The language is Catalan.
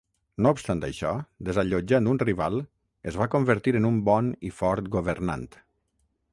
No obstant això, desallotjant un rival, es va convertir en un bon i fort governant.